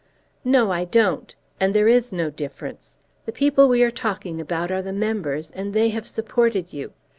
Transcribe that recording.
"No, I don't. And there is no difference. The people we are talking about are the members, and they have supported you.